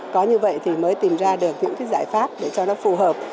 có như vậy thì mới tìm ra được những cái giải pháp để cho nó phù hợp